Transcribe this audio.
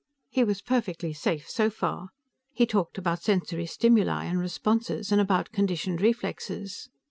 He was perfectly safe so far. He talked about sensory stimuli and responses, and about conditioned reflexes.